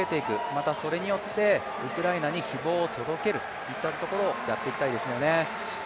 また、それによってウクライナに希望を届けるといったところをやっていきたいですよね。